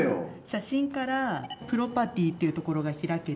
写真からプロパティっていうところが開けて